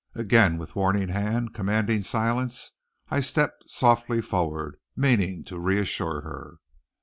Again with warning hand commanding silence I stepped softly forward, meaning to reassure her.